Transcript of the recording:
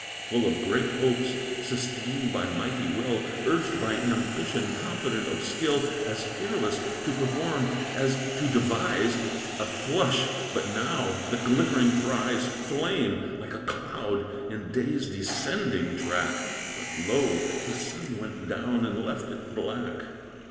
Full of great hopes, sustained by mighty will, Urged by ambition, confident of skill, As fearless to perform as to devise, A flush, but now he saw the glittering prize Flame like a cloud in day's descending track; But, lo, the sun went down and left it black!